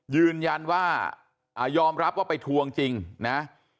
ยืนยันว่ายอมรับว่าไปทวงจริงนะ